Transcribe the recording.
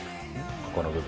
ここの部分。